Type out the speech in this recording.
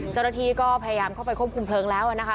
เจ้าหน้าที่ก็พยายามเข้าไปควบคุมเพลิงแล้วนะคะ